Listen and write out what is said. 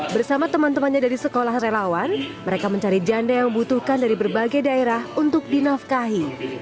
bersama teman temannya dari sekolah relawan mereka mencari janda yang membutuhkan dari berbagai daerah untuk dinafkahi